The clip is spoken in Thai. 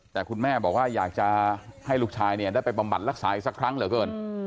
แต่คุณแม่บอกว่าอยากจะให้ลูกชายเนี่ยได้ไปบำบัดรักษาอีกสักครั้งเหลือเกิน